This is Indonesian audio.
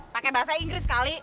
pakai bahasa inggris kali